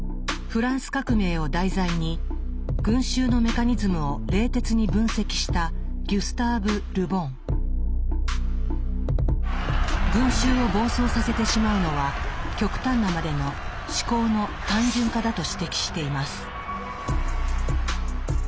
フランス革命を題材に群衆のメカニズムを冷徹に分析した群衆を暴走させてしまうのは極端なまでの思考の単純化だと指摘しています。